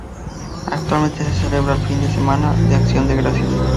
Actualmente se celebra el fin de semana de Acción de Gracias.